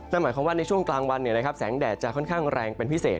นั่นหมายความว่าในช่วงกลางวันแสงแดดจะค่อนข้างแรงเป็นพิเศษ